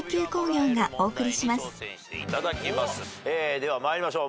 では参りましょう。